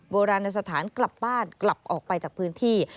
โบราณสถานกลับบ้านกลับออกไปจากพื้นที่